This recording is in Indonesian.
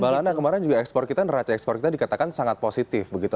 mbak lana kemarin juga ekspor kita neraca ekspor kita dikatakan sangat positif begitu